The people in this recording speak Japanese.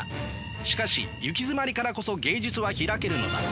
しかしゆきづまりからこそ芸術は開けるのだ。